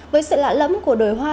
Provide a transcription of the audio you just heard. với sự lạ lẫm của đồi hoa